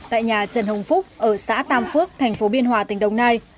tại nhà trần hồng phúc ở xã tam phước tp biên hòa tỉnh đồng nai